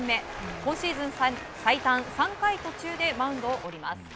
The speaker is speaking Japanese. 今シーズン最短３回途中でマウンドを降ります。